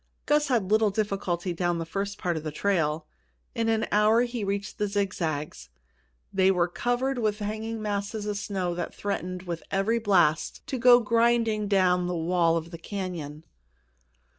Gus had little difficulty down the first part of the trail. In an hour he reached the zigzags. They were covered with hanging masses of snow that threatened with every blast to go grinding down the wall of the canyon.